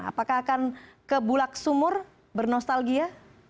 apakah akan ke bulak sumur bernostalgia